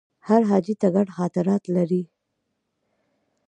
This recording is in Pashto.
هر حاجي ته ګڼ خاطرات لري.